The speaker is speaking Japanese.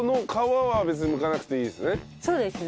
そうですね。